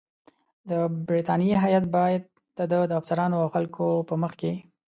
د برټانیې هیات باید د ده د افسرانو او خلکو په مخ کې.